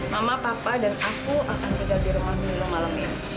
mama papa dan aku akan tinggal di rumah milu malam ini